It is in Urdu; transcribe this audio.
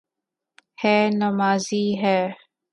یے نمازی ہے